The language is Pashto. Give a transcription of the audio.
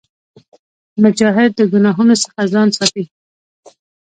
مجاهد د ګناهونو څخه ځان ساتي.